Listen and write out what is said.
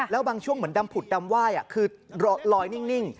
แล้วบางช่วงเหมือนดำผุดดำไหว้คือลอยนิ่ง